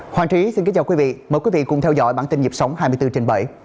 hoàng trí xin kính chào quý vị mời quý vị cùng theo dõi bản tin nhịp sống hai mươi bốn trên bảy